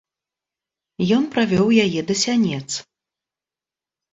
Ён правёў яе да сянец.